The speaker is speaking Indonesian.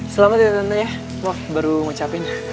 selamat ya tentu ya wah baru ngucapin